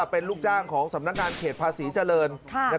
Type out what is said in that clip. เป็นลูกจ้างของสำนักงานเขตภาษีเจริญ